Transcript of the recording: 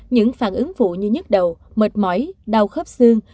những phản ứng vụ như nhức đầu mệt mỏi đau khớp xương